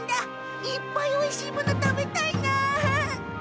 いっぱいおいしいもの食べたいな。